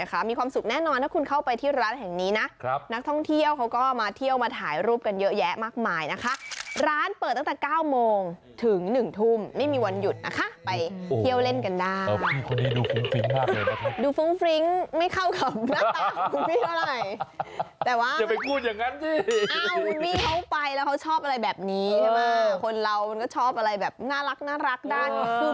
ถึงแม้มันจะน่ารักขนาดไหนก็ไปหาอะไรแบบสบาย